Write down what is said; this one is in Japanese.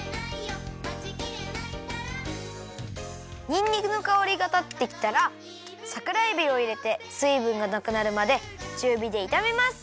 にんにくのかおりがたってきたらさくらえびをいれてすいぶんがなくなるまでちゅうびでいためます！